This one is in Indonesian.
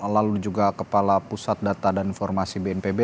lalu juga kepala pusat data dan informasi bnpb